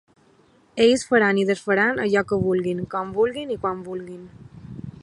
Ells faran i desfaran allò que vulguin, com vulguin i quan vulguin.